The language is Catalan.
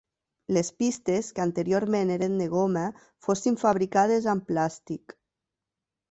Les pistes, que anteriorment eren de goma, fossin fabricades amb plàstic.